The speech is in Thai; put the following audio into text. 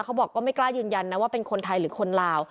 เขาบอกก็ไม่กล้ายืนยันนะว่าเป็นคนไทยหรือคนลาว